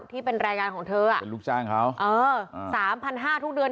ที่เป็นรายงานของเธออ่ะเป็นลูกจ้างเขาเออสามพันห้าทุกเดือน